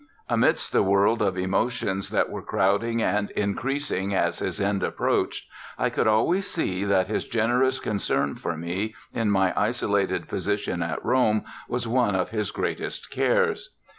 Amidst the world of emotions that were crowding and increasing as his end approached, I could always see that his generous concern for me in my isolated position at Rome was one of his greatest cares.